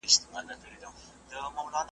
هغه بېغمه له مرګه ژونده .